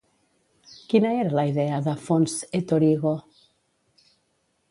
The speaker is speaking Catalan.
Quina era la idea de Fons et Origo?